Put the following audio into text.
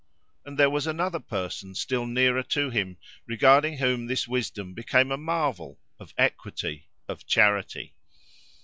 And there was another person, still nearer to him, regarding whom this wisdom became a marvel, of equity—of charity.